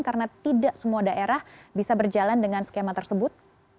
karena tidak semua daerah bisa berjalan dengan skema tersebut